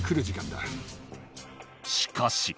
しかし。